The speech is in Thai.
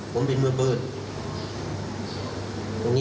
ผมเป็นมือเบิดตรงนี้คือผมรับไม่ได้